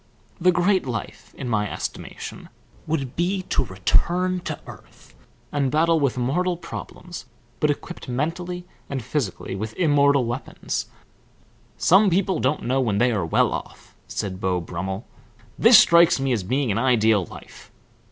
The great life in my estimation, would be to return to earth and battle with mortal problems, but equipped mentally and physically with immortal weapons." "Some people don't know when they are well off," said Beau Brummel. "This strikes me as being an ideal life.